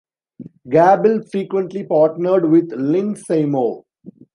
Gable frequently partnered with Lynn Seymour.